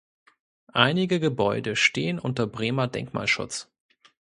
Einige Gebäude stehen unter Bremer Denkmalschutz.